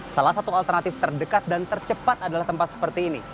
salah satu alternatif terdekat dan tercepat adalah tempat seperti ini